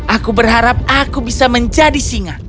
aku berharap aku bisa menjadi singa